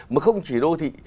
mà không chỉ đô thị